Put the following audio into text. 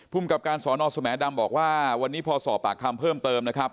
กับการสอนอสแหมดำบอกว่าวันนี้พอสอบปากคำเพิ่มเติมนะครับ